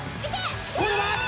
これは。